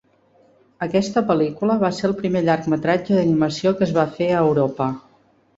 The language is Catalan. Aquesta pel·lícula va ser el primer llargmetratge d'animació que es va fer a Europa.